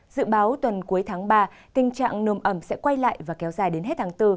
dự báo tuần cuối tháng ba tình trạng nồm ẩm sẽ quay lại và kéo dài đến hết tháng bốn